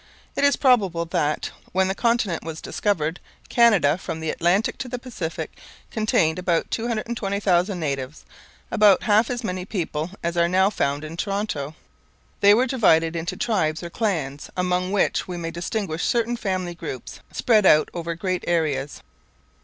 It is probable that, when the continent was discovered, Canada, from the Atlantic to the Pacific, contained about 220,000 natives about half as many people as are now found in Toronto. They were divided into tribes or clans, among which we may distinguish certain family groups spread out over great areas.